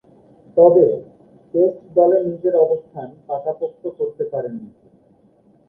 তবে, টেস্ট দলে নিজের অবস্থান পাকাপোক্ত করতে পারেননি তিনি।